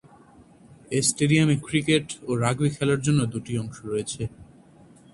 এ স্টেডিয়ামে ক্রিকেট ও রাগবি খেলার জন্য দু’টি অংশ রয়েছে।